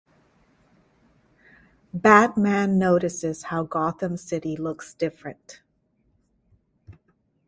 Batman notices how Gotham City looks different.